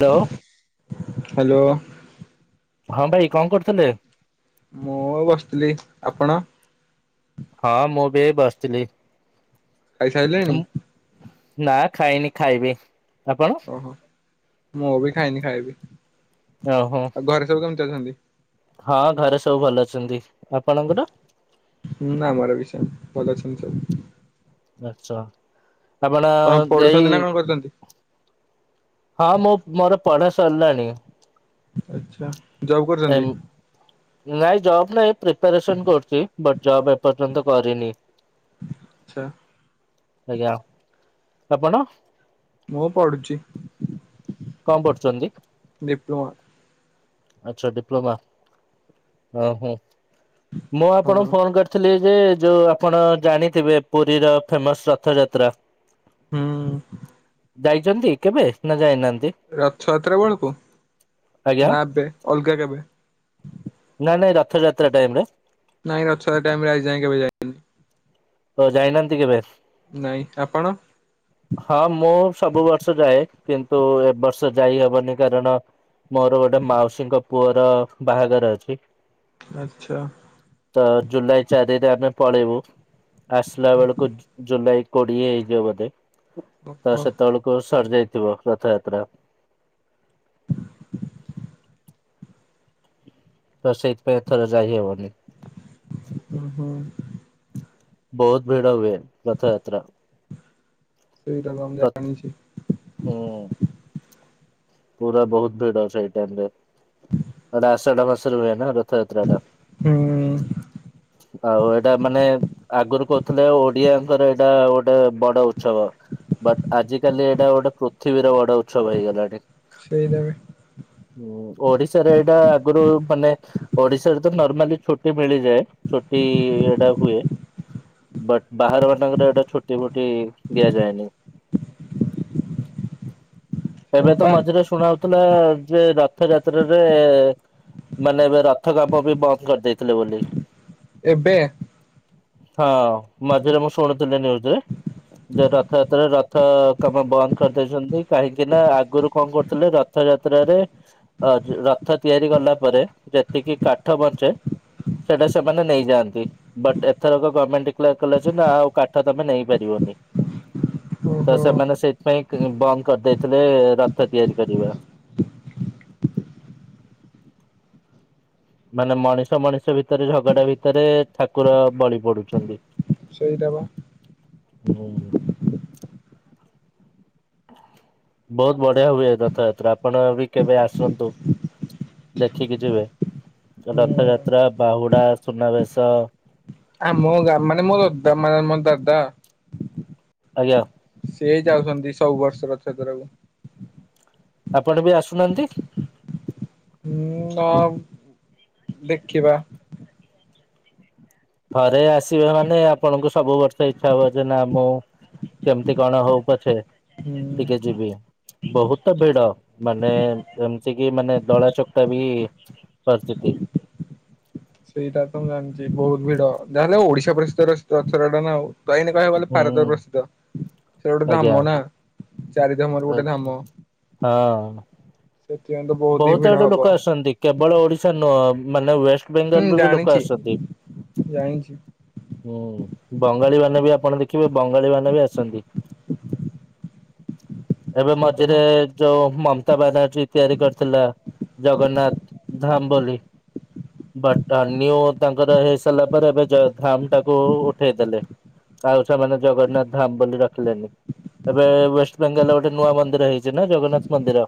Hello hello. ହଁ ଭାଇ କଣ କରୁଥିଲେ? ମୁଁ ଆଉ ବସିଥିଲି ଆପଣ। ହଁ ମୁଁ ବି ଏଇ ବସିଥିଲି। ଖାଇସାରିଲେଣି ନା ଖାଇନି ଖାଇବି। ଆପଣ? ଓହୋ ମୁଁ ବି ଖାଇନି ଖାଇବି ଓହୋ ଆଉ ଘରେ ସବୁ କେମିତି ଅଛନ୍ତି। ହଁ ଘରେ ସବୁ ଭଲ ଅଛନ୍ତି ଆପଣଙ୍କର। ହଁ ଆମ ଘରେ ବି ସେମିତି ଭଲ ଅଛନ୍ତି ସବୁ। ଆଛା ଆପଣ କଣ ଯାଇ ପଢୁଛନ୍ତି ନା କଣ କରୁଛନ୍ତି ହଁ ମୁଁ ମୋର ପଢା ସରିଲାଣି। ଆଛା। ଜବ୍ କରୁଛନ୍ତି ଏମ ନାଇଁ ଜବ ନାଇଁ ପ୍ରିପାରେସନ କରୁଛି ବଟ୍ ଜବ୍ ଏପର୍ଯ୍ୟନ୍ତ କରିନି। ଆଛା। ଆଜ୍ଞା ଆପଣ। ମୁଁ ପଢୁଛି। କଣ ପଢ଼ୁଛନ୍ତି? ଡିପ୍ଲୋମା ଆଛା ଡିପ୍ଲୋମା ହ ହଁ ମୁଁ ହଁ ଆପଣଙ୍କୁ ଫୋନ କରି ଥିଲି ଯେ ଯୋଉ ଆପଣ ଜାଣିଥିବେ ପୁରୀ ର ଫେମସ ରଥଯାତ୍ରା। ହୁଁ। ଯାଇଛନ୍ତି କେବେ ନା ଯାଇନାହାନ୍ତି। ରଥଯାତ୍ରା ବେଳକୁ ଆଜ୍ଞା। ନା ଏବେ ଅଲଗା କେବେ। ନାଇଁ ନାଇଁ ରଥଯାତ୍ରା ଟାଇମରେ। ନାଇଁ ରଥ ଯାତ୍ରା ଟାଇମରେ ଆଜି ଯାଏ କେବେ ଯାଇନି। ତ ଯାଇନାହାନ୍ତି କେବେବ। ନାଇଁ ଆପଣ। ହଁ ମୁଁ ସବୁ ବର୍ଷ ଯାଏ କିନ୍ତୁ ଏ ବର୍ଷ ଯାଇ ହବନି କାରଣ ମୋର ଗୋଟେ ମାଉସୀଙ୍କ ପୁଅର ବାହାଘର ଅଛି। ଆଛା। ତ ଜୁଲାଇ ଚାରିରେ ଆମେ ପଳେଇବୁ ଆସିଲା ବେଳକୁ ଜୁ ଜୁଲାଇ କୋଡିଏ ହେଇଯିବ ବୋଧେ ତ ଓହୋ ସେତେବେଳକୁ କୁ ସରି ଯାଇଥିବ ରଥଯାତ୍ରା। ତ ସେଇଥିପାଇଁ ଏଥର ଯାଇହବନି। ଓ ହୋ। ବହୁତ ଭିଡ଼ ହୁଏ ରଥଯାତ୍ରା ସେଇଟା ତ ମୁଁ ପ୍ରତ ଜାଣିଛି ହୁଁ। ପୁରା ବହୁତ ଭିଡ ସେଇ ଟାଇମରେ ସେଟା ଆସାଡ ମାସରେ ହୁଏ ନା ର ଥଯାତ୍ରାଟା ହୁଁ ଆଉ ଏଇଟା ମାନେ ଆଗରୁ କହୁଥିଲେ ଓଡିଆଙ୍କର ଏଇଟା ଗୋଟେ ବଡ ଉତ୍ସବ ବଟ୍ ଆଜିକାଲି ଏଇଟା ଗୋଟେ ପୃଥିବୀର ବଡ ଉତ୍ସବ ହେଇଗଲାଣି। ସେଇଟା ବି ହୁଁ ଓଡିଶାରେ ଏଇଟା ଆଗରୁ ମାନେ ଓଡିଶାରେ ତ ନର୍ମାଲି ଛୁଟି ମିଳିଯାଏ ଛୁଟି ଏଡା ହୁଏ। ବଟ ବାହାର ମାନଙ୍କର ଏଟା ଛୁଟି ଫୁଟି ଦିଆଯାଏନି। ହଁ ଏବେ ତ ପା ମଝିରେ ଶୁଣା ହଉଥିଲା ଯେ ରଥଯାତ୍ରାରେ ମାନେ ଏବେ ରଥ କାମ ବି ବନ୍ଦ କରିଦେଇଥିଲେ ବୋଲି। ଏବେ? ହଁ ମଝିରେ ମୁଁ ଶୁଣୁଥିଲି ନିୟୁଜ ରେ। ଯେ ରଥଯାତ୍ରାରେ ରଥ କାମ ବନ୍ଦ କରିଦେଇଚନ୍ତି କାହିଁକି କିନା ଆଗରୁ କଣ କରୁଥିଲେ ରଥଯାତ୍ରାରେ ଅ ରଥ ତିଆରି କଲା ପରେ ଯେତିକି କାଠ ବଞ୍ଚେ ସେଟା ସେମାନେ ନେଇଯାଆନ୍ତି। ବଟ୍ ଏଥରକ ଗମେଣ୍ଟ ଡିକ୍ଳେର କଲା ଜେ ନା ଆଉ କାଠ ତମେ ନେଇପାରିବନି। ତ ଓହୋ ସେମାନେ ସେଇଥିପାଇଁ କଁ ବନ୍ଦ କରିଦେଇଥିଲେ ରଥ ତିଆରି କରିବା। ମାନେ ମଣିଷ ମଣିଷ ଭିତରେ ଝଗଡା ଭିତରେ ଠାକୁର ବଳି ପଡୁଚନ୍ତି। ସେଇଟା ବା। ହୁଁ। ବହୁତ ବଢିଆ ହୁଏ ରଥଯାତ୍ରା ଆପଣ ବି କେବେ ଆସନ୍ତୁ। ଦେଖିକି ଯିବେ ହୁଁ ରଥଯାତ୍ରା ବାହୁଡା ସୁନାବେଶ ଆମ ଗା ମାନେ ମୋ ଦଦା ମାନେ ମୋର ଦାଦା ଆଜ୍ଞା। ସେ ଯାଉସନ୍ତି ସବୁ ବର୍ଷର ରଥ ଯାତ୍ରାକୁ। ଆପଣ ବି ଆସୁନାହାନ୍ତି। ହୁଁ ନା ଦେଖିବା। ଥରେ ଆସିବେ ମାନେ ଆପଣଙ୍କୁ ସବୁ ବର୍ଷ ଇଚ୍ଛା ହବ ଯେ ନା ମୁଁ କେମିତି କଣ ହଉ ପଛେ ହୁଁ ଟିକେ ଯିବି। ବହୁତ ଭିଡ ମାନେ ଏମିତି କି ମାନେ ଦଳା ଚକଟା ବି ପରିସ୍ଥିତି ସେଇଟା ତ ମୁଁ ଜାଣିଛି ବହୁତ ଭିଡ ଯାହାେଲେ ଓଡିଶା ପ୍ରସିଦ୍ ରଥଯାତ୍ରା ଟା ନା ଆଉ। ତ ଏନି କହିବାକୁ ଗଲେ ଭାରତରେ ହୁଁ ପ୍ରସିଦ୍ଧ ସେଟା ଗୋଟେ ଆଜ୍ଞା ଧାମ ନା। ଚାରିଧାମର ହଁ ଗୋଟେ ଧାମ ସେଥିପାଇଁ ତ ବହୁତ ହିଁ ଭିଡ ଆଡୁ ଲୋକ ହବ। ଆସନ୍ତି କେବଳ ଓଡିଶା ନୁହେଁ ମାନେ ୱେଷ୍ଟ ହୁଁ ବେଙ୍ଗଲରୁୁ ବି ଲୋକ ଜାଣିଛି ଆସୁଚନ୍ତି। ଜାଣିଛି ହୁଁ ବଙ୍ଗାଳୀ ମାନେ ବି ଆପଣ ଦେଖିବେ ବଙ୍ଗାଳୀ ମାନେ ବି ଆସୁଚନ୍ତି। ଏବେ ସେଇଟା ମଝିରେ ବା ଯୋଉ ମମତା ବାନାର୍ଜୀ ତିଆରି କରି ଥିଲା ଜଗନ୍ନାଥ ଧାମ ବୋଲି ବା ଅନ୍ୟୁ ତାଙ୍କର ହେଇ ସାରିଲା ପରେ ଏବେ ଜ ଧାମ ଟାକୁ ଉଠେଇଦେଲେ। ଆଉ ସେମାନେ ଜଗନ୍ନାଥ ଧାମ ବୋଲି ରଖିଲେନି। ଏବେ ୱେଷ୍ଟବେେଙ୍ଗଲ ଗୋଟେ ନୂଆ ମନ୍ଦିର ହେଇଚି ନା ଜଗନ୍ନାଥ ମନ୍ଦିର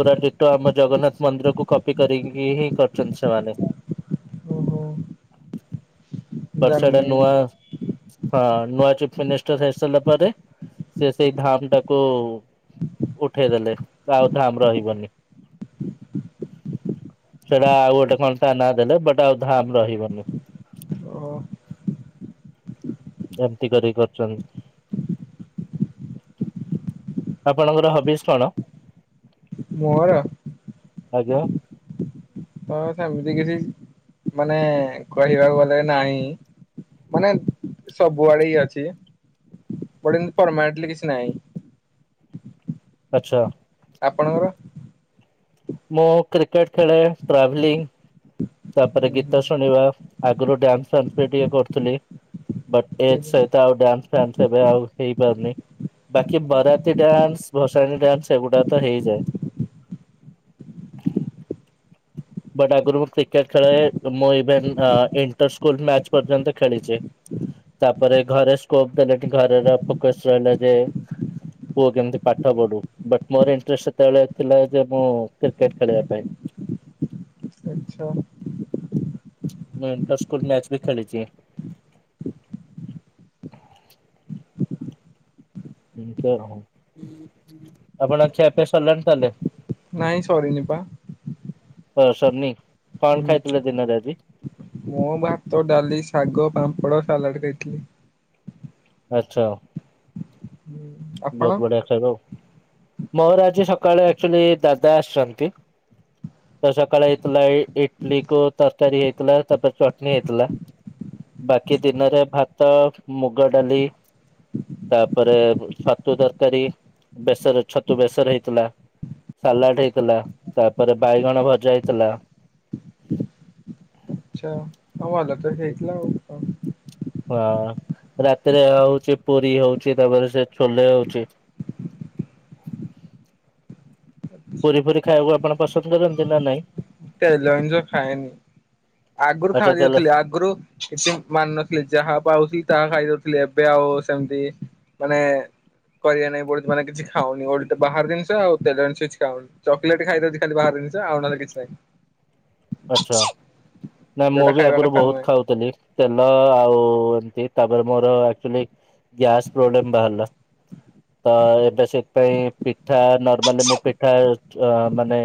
ପୁରା ଡିଟୋ ଟ ଆମ ଜଗନ୍ନାଥ ମନ୍ଦିର କୁ କପି କରିକି ହିଁ କରିଚନ୍ତି ସେମାନେ। ଓହୋ ବର୍ଷା ଟା ଜାଣିନି ମୁଁ ନୂଆ ତ ହଁ ନୂଆ ଚିଫ୍ ମିନିଷ୍ଟର ହେଇ ସାରିଲା ପରେ ସେ ସେଇ ଧାମ ଟାକୁ ଉଠେଇଦେଲେ ତ ଆଉ ଧାମ ରହିବନି। ସେଇଟା ଆଉ ଗୋଟେ କନ ତା ନାମ ଦେଲେ ବଟ ଆଉ ଧାମ ରହିବନି। ଓହୋ ଏମିତି କରିକି କରୁଛନ୍ତି। ଆପଣଙ୍କର ହବିସ୍ କଣ? ମୋର ଆଜ୍ଞା ତ ସେମିତି କିଛି ମାନେ କହିବାକୁ ଗଲେ ନାହିଁ। ମାନେ ସବୁଆଡେ ଇଏ ଅଛି ବଟେ ଏତି ପରମନେଟଲି କିଛି ନାହିଁ। ଆଛା। ଆପଣଙ୍କର? ମୁଁ କ୍ରିକେଟ ଖେଳେ ଟ୍ରାଭେଲିଂ। ତାପରେ ଗୀତ ଶୁଣିବା ଆଗରୁ ଡ୍ୟାନ୍ସ ଫ୍ୟାନ୍ସ ବି ଟିକେ କରୁଥିଲି। ବଟ ଏଜ୍ ସହିତ ଆଉ ଡ୍ୟାନ୍ସ ଫ୍ୟାନ୍ସ ଏବେ ଆଉ ହେଇପାରୁନି। ବାକି ବରାତି ଡ୍ୟାନ୍ସ ଭସାଣି ଡାନ୍ସ ଏଗୁଡା ତ ହେଇଯାଏ। ବଟ ଆଗରୁ ମୁଁ କ୍ରିକେଟ ଖେଲେ ମୁଁ ଇଣ୍ଟର ସ୍କୁଲ ମ୍ୟାଚ୍ ପର୍ଯ୍ୟନ୍ତ ମୁଁ ଖେଳିଛି। ତାପରେ ଘରେ ସ୍କୋପ ଦେଲେନି ଘରର ଫୋକସ ରହିଲା ଯେ ପୁଅ କେମିତି ପାଠ ପଢୁ ବଟ୍ ମୋର ଇଣ୍ଟରେଷ୍ଟ ସେତେବେଳେ ଥିଲା ଯେ ମୁଁ କ୍ରିକେଟ ଖେଳିବା ପାଇଁ। ଆଚ୍ଛା ମୁଁ ଇଣ୍ଟର ସ୍କୁଲ ମ୍ୟାଚ ବି ଖେଳିଛି। ହୁଁ ଆପଣ ଙ୍କ ଖିଆ ପିଆ ସରିଲାଣି ତାଲେ। ନାଇଁ ସରିନି ପା। ହ ସରନି କଣ ହୁଁ ଖାଇଥିଲ ଦିନ ରେ ଆଜି? ମୁଁ ଭାତ, ଡାଲି, ଶାଗ, ପାମ୍ପଡ଼, ସାଲାଡ଼ ଖାଇଥିଲି। ଆଚ୍ଛା ଆପଣ? ବହୁତ ବଢିଆ ଖାଇବା ଆଉ ମୋର ଆଜି ସକାଳେ ଆକ୍ଚୁଆଲି ଦାଦା ଆସିଛନ୍ତି। ତ ସକାଳ ହେଇଥିଲା ଇଟଲିି କୁ ତରକାରୀ ହେଇଥିଲା ତାପରେ ଚଟଣି ହେଇଥିଲା। ବାକି ଦିନରେ ଭାତ ମୁଗ ଡାଲି ତାପରେ ଛତୁ ତରକାରୀ ବେସର ଛତୁ ବେସର ହେଇଥିଲା। ସାଲାଡ ହେଇଥିଲା ତାପରେ ବାଇଗଣ ଭଜା ହେଇଥିଲା। ଆଚ୍ଛା ଭଲ ତ ହେଇଥିଲା ଆଉ ହଁ ରାତିରେ ହଉଛି ପୁରୀ ହଉଛି ତାପରେ ସେ ଛୋଲେ ହଉଛି। ପୁରୀ ଫୁରି ଖାଇବାକୁ ଆପଣ ପସନ୍ଦ କରନ୍ତି ନା ନାଇଁ। ତେଲ ଜିନିଷ ଖାଏନି ଆଗରୁ ଆଚ୍ଛା ଖାଇ ତାହେଲେ ଦେଉଥିଲି ଆଗରୁ କିଛି ମାନୁ ନଥିଲି ଯାହା ପାଉଛି ତାହା ଖାଇଦଉଥିଲି ଏବେ ଆଉ ସେମିତି। ମାନେ କରିବା ନାାଇଁ ବ ମାନେ କିଛି ଖାଉନି ଓ ବାହାର ଜିନିଷ ଆଉ ତେଲ ଜିନିଷ କିଛି ଖାଉନି। ଚକଲେଟ୍ ଖାଇଦିଅନ୍ତି ଖାଲି ବାହାର ଜିନିଷ ଆଉ ନହଲେ କିଛି ନାହିଁ। ଆଛା ନାଇ ମୁଁ ଯୋଉଟା ବି ଖାଇବା ଆଗରୁ କଥା ବହୁତ ନୁହେଁ ଖାଉଥିଲି। ତେଲ ଆଉ ଏମତି ତାପରେ ମୋର ଆକଚୁଆଲି ଗ୍ୟାସ୍ ପ୍ରୋବ୍ଲେମ ବାହାରିଲା ତ ଏବେ ସେଥିପାଇଁ ପିଠା ନର୍ମାଲି ମୁଁ ପିଠା ମାନେ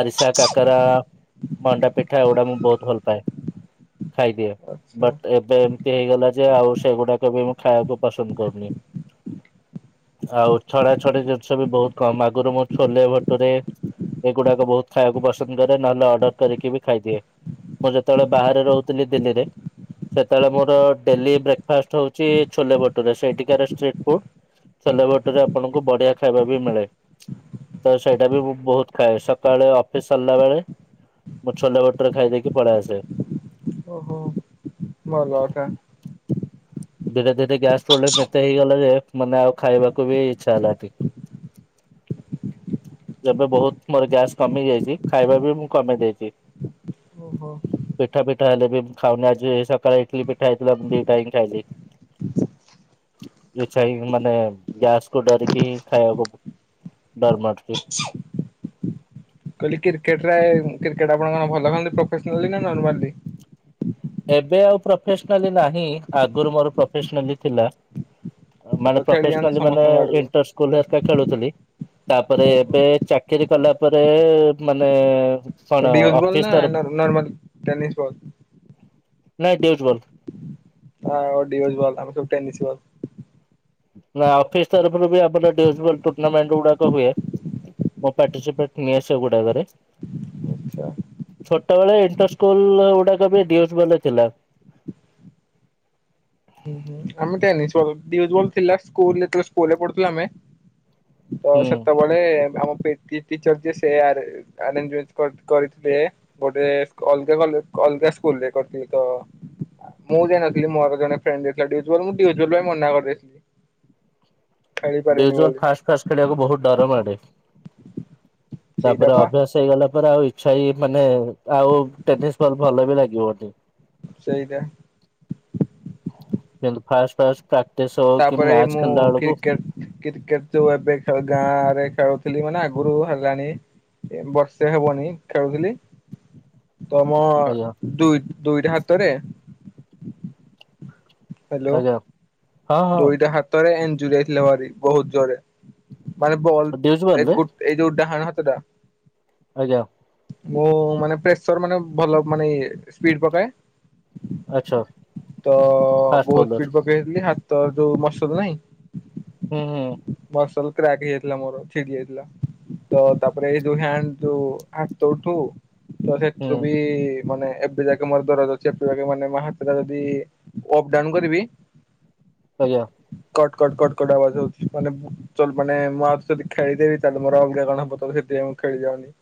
ଆରିସା କାକରା ମଣ୍ଡା ପିଠା ଏଗୁଡା ମୁଁ ବହୁତ ଭଲ ପାାଏ। ଖାଇଦିଅ। ଆଚ୍ଛା ବଟ ଏବେ ଏମିତି ହେଇଗଲା ଯେ ଆଉ ସେଗୁଡାକ ବି ମୁଁ ଖାଇବାକୁ ପସନ୍ଦ କରୁନି। ଆଉ ଛଣା ଛଣି ଜିନିଷ ବି ବହୁତ କମ ଆଗରୁ ମୁଁ ଛୋଲେ ଭଟୁରେ ଏଗୁଡାକ ବହୁତ ଖାଇବାକୁ ପସନ୍ଦ କରେ ନହେଲେ ଅର୍ଡର କରିକି ବି ଖାଇଦିଏ। ମୁଁ ଯେତେବେଳେ ବାହାରେ ରହୁଥିଲି ଦିଲ୍ଲୀରେ ସେତେବେଳେ ମୋର ଡେଲି ବ୍ରେକ୍ଫାଷ୍ଟ ହଉଛି ଛୋଲେ ଭଟୁରେ ସେ ଏଠିକାର ଷ୍ଟ୍ରିଟ୍ ଫୁଡ। ଛୋଲେ ଭଟରେ ଆପଣଙ୍କୁ ବଢିଆ ଖାଇବା ବି ମିଳେ। ତ ସେଇଟା ବି ମୁଁ ବହୁତ ଖାଏ ସକାଳେ ଅଫିସ ସରିଲା ବେଳେ। ମୁଁ ଛୋଲେ ବଟୁରେ ଖାଇ ଦେଇକି ପଳେଇ ଆସେ। ଓହୋ। ଭଲ ଖା। ଧୀରେ ଧୀରେ ଗ୍ୟାସ୍ ପ୍ରୋବ୍ଲେମ୍ ଏତେ ହେଇଗଲା ଯେ ମାନେ ଆଉ ଖାଇବାକୁ ବି ଇଚ୍ଛା ହେଲାନି। ହ ଯେବେ ବହୁତ ମୋର ଗ୍ୟାସ୍ କମି ଯାଇଚି ଖାଇବା ବି ମୁଁ କମେଇ ଦେଇଚି। ଓହୋ। ପିଠା ପିଠା ହେଲେ ବି ମୁଁ ଖାଉନି ଆଜି ସକାଳେ ଇଟଲି ପିଠା ହେଇଥିଲା ଦିଟା ଇଁ ଖାଇଲି। ଇଚ୍ଛା ହିଁ ମାନେ ଗ୍ୟାସ୍ କୁୁ ଡରିକି ହିଁ ଖାଇବାକୁ ଡର ମାଡ଼ୁଚି। କଇଲି କ୍ରିକେଟ୍ ରେ କ୍ରିକେଟ୍ ଆପଣ କଣ ଭଲ ପାଆନ୍ତି ପ୍ରଫେସନାଲି ନାଁ ନର୍ମାଲି? ଏବେ ଆଉ ପ୍ରଫେସନାଲି ନାହିଁ ଆଗୁରୁ ମୋର ପ୍ରଫେସନାଲି ଥିଲା। ଅ ସେ ତ ମାନେ ଖେଳି ଯାଆନ୍ତି ପ୍ରଫେସନାଲି ମାନେ ସମସ୍ତଙ୍କ ଆଡକୁ ଇଣ୍ଟର୍ ସ୍କୁଲ୍ ହେରିକା ଖେଳୁଥିଲି। ତାପରେ ଓହୋ ଏବେ ଚାକିରି କଲା ପରେ ମାନେ କଣ ଅ ଡିଉଜ୍ ବଲ୍ ଅଫିସ ନା ତରଫ ନର୍ ନର୍ମାଲ୍ ଟେନିସ୍ ବଲ୍? ନାଇଁ ଡିଉଜ୍ ବଲ୍। ଅ ଡିଓଜ୍ ଆମେ ସବୁ ଟେନିସ୍ ବଲ୍। ନାଁ ଅଫିସ୍ ତରଫରୁ ବି ଆମର ଡିଉଜ୍ ବଲ୍ ଟୁର୍ଣ୍ଣାମେଣ୍ଟ୍ ଉଡ଼ାକ ହୁଏ। ମୁଁ ପାର୍ଟିସିପେଟ୍ ନିଏ ସେଗୁଡ଼ାକରେ। ଆଚ୍ଛା। ଛୋଟ ଏଳେ ଇଣ୍ଟର୍ ସ୍କୁଲ୍ ଉଡ଼ାକ ବି ଡିଉଜ୍ ବଲ୍ ଥିଲା। ହୁଁ ଆମେ ଟନିସ୍ ବଲ୍ ଡିଉଜ୍ ବଲ୍ ଥିଲା ସ୍କୁଲ୍ ଯେତୋଳେ ସ୍କୁଲ୍ ରେ ପଢ଼ୁଥୁଲୁ ଆମେ। ତ ହୁଁ। ସେତବେ ବେ ଆମ ପେ ଟି ଟିଚର୍ ଯିଏ ସେ ଆରେ ଆରେଞ୍ଜମେଟ୍ କରି କରିଥିଲେ। ଗୋଟେ ଅଲଗା କୋ ଲ ଅଲଗା ସ୍କୁଲ୍ ରେ କରିଥିଲି ତ ମୁଁ ଯାଇ ନଥିଲି ମୋ ଆଗ ଜଣେ ଫ୍ରେଣ୍ଡ୍ ଦେଇଥିଲା ଡିଉଜ୍ ବଲ୍ ମୁଁ ଡିଉଜ୍ ବଲ୍ ପାଇଁ ମନା କରିଦେଇଥିଲି। ଖେଳି ପାରିବିନି ଡିଉଜ୍ ବଲ୍ ବୋଲି ଫାଷ୍ ଫାଷ୍ ଖେଳିବାକୁ ବୋହୁତ ଡର ମାଡ଼େ। ସେଇଟା ତାପରେ ପା ଅଭ୍ୟାସ୍ ହେଇଗଲା ପରେ ଆଉ ଇଚ୍ଛା ହି ମାନେ ଆଉ ଟେନିସ୍ ବଲ୍ ଭଲ ବି ଲାଗିବନି। ସେଇଦା ଯେନ୍ତୁ ଫାଷ୍ ଫାଷ୍ ପ୍ରାକ୍ଟିସ୍ ହଉ କି ମ୍ୟାଚ୍ ଖେଳିଲା ଅଳୁକୁ କ୍ରିକେଟ୍ ତୁ ଏବେ ଖେଳୁ ଗାଁରେ ଖେଳୁଥିଲି ମାନେ ଆଗରୁ ହେଲାଣି ଏ ବର୍ଷେ ହବଣି ଖେଳୁଥିଲି। ତମ ଆଜ୍ଞା ଦୁଇ ଦୁଇଟା ହାତରେ ହାଲୋ ଆଜ୍ଞା ହଁ ହଁ ଦୁଇଟା ହାତରେ ଏଞ୍ଜୁରି ହେଇଥିଲା ଭାରି ବହୁତ ଜୋରେ। ମାନେ ବଲ୍ ଡ୍ୟୁଜ୍ ବଲ୍ ଏଇ ରେ ଗୋ ଏଇ ଯୋଉ ଡାହାଣ ହାତଟା। ଆଜ୍ଞା। ମୁଁ ମାନେ ପ୍ରେସର୍ ମାନେ ଭଲ ମାନେ ଇଏ ସ୍ପିଡ଼୍ ପକାଏ। ଆଚ୍ଛା ତ ଫାଷ୍ଟ ବୋହୁତ ବୋଲର ସ୍ପିଡ଼୍ ପକେଇଏଇଥିଲି ହାତ ଯୋଉ ମସଲ୍ ନାଇଁ ହୁଁ ହୁଁ। ମର୍ସଲ କ୍ରାକ୍ ହେଇଯାଇଥିଲା ମୋର ଛିଡ଼ି ଯାଇଥିଲା। ତ ତାପରେ ଏଇ ଯୋଉ ହ୍ୟାଣ୍ଡ୍ ଯୋଉ ଆତ ଉଠଉ ତ ସେଥୁରୁ ହୁଁ ବି ମାନେ ଏବେ ଯାକେ ମୋର ଦରଜ ଅଛି ଏବେ ଯାକେ ମାନେ ହାତଟା ଯଦି ଅପ୍ ଡାଉନ୍ କରିବି ରହିଯାଅ। କଟ୍ କଟ୍ କଟ୍ କଟ୍ ଆବାଜ ହଉଛି ମାନେ ବୁ ଚଲ ମାନେ ମୁଁ ଆଉ ଥରେ ଯଦି ଖେଳିଦେବି ତାହେଲେ ମୋର ଅଲଗା କଣ ହବ ତ ସେଥିପାଇଁ ମୁଁ ଖେଳିଯାଉନି।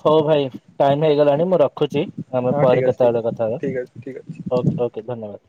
ହଉ ଭାଇ ଟାଇମ୍ ହେଇଗଲାଣି ମୁଁ ରଖୁଚି ଆମେ ହଁ ଠିକ ପରେ ଅଛି ଠିକ ଅଛି କେତେଅଳେ କଥା ହବା। ଠିକ ଅଛି ଠିକ ଅଛି। ଓକେ ଓକେ ଧନ୍ୟବାଦ୍।